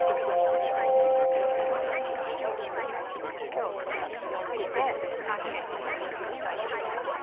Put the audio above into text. きょう採ったよもぎでパンケーキを作りたいと思ってます。